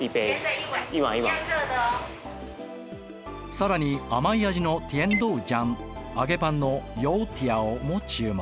更に甘い味のティエンドウジャン揚げパンのヨウティアオも注文。